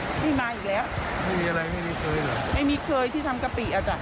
ไม่มีอะไรไม่มีเคยเหรอไม่มีเคยที่ทำกะปิอ่ะจ้ะ